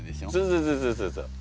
そうそうそうそう。